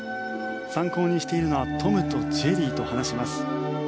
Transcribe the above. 参考にしているのは「トムとジェリー」と話します。